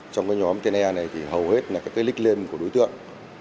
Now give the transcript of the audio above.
trong nhóm tnr này thì hầu hết là cái click lên của đối tượng